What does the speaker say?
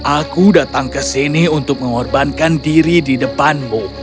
aku datang ke sini untuk mengorbankan diri di depanmu